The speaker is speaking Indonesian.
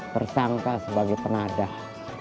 tersangka sebagai penadah